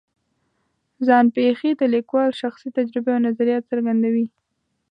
ځان پېښې د لیکوال شخصي تجربې او نظریات څرګندوي.